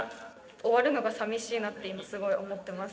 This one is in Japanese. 終わるのがさみしいなって今すごい思ってます。